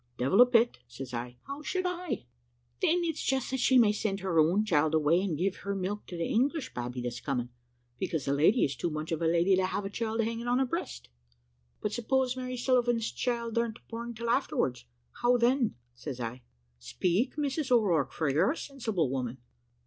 "`Devil a bit,' says I; `how should I?' "`Then it's just that she may send her own child away, and give her milk to the English babby that's coming; because the lady is too much of a lady to have a child hanging to her breast.' "`But suppose Mary Sullivan's child ar'n't born till afterwards, how then?' says I. `Speak, Mrs O'Rourke, for you're a sensible woman.'